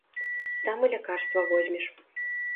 Там і лякарства возьмеш.